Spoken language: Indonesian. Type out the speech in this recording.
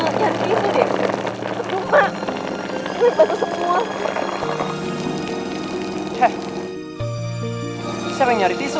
siapa yang nyari tisu